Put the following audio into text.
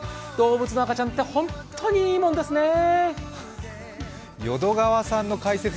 動物の赤ちゃんって本当にいいものですね。